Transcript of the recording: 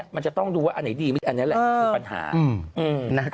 มันจะต้องดูว่าอันไหนดีอันนี้แหละคือปัญหา